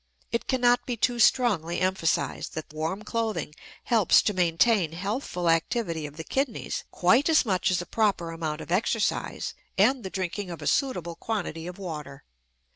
It cannot be too strongly emphasized that warm clothing helps to maintain healthful activity of the kidneys quite as much as a proper amount of exercise and the drinking of a suitable quantity of water.